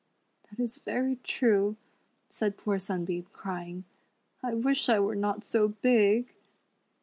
"That is very true," said poor Sunbeam, cr) ing ; "I wish I were not so big."